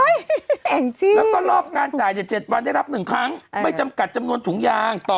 แล้วก็รอบการจ่ายเนี่ย๗วันได้รับ๑ครั้งไม่จำกัดจำนวนถุงยางต่อ